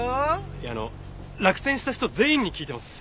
いやあの落選した人全員に聞いてます。